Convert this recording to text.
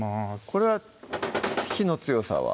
これは火の強さは？